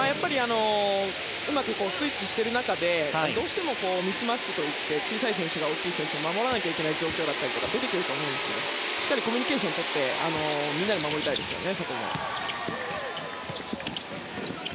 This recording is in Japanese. うまくスイッチする中でどうしてもミスマッチといって小さい選手が大きい選手を守らなければいけない状況も出てくると思いますがしっかりコミュニケーションしてみんなで守りたいですね。